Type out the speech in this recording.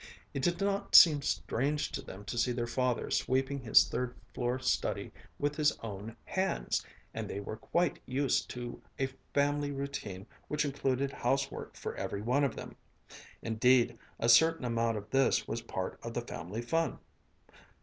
It did not seem strange to them to see their father sweeping his third floor study with his own hands, and they were quite used to a family routine which included housework for every one of them. Indeed, a certain amount of this was part of the family fun.